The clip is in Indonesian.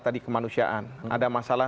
tadi kemanusiaan ada masalah